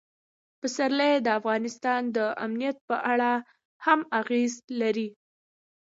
پسرلی د افغانستان د امنیت په اړه هم اغېز لري.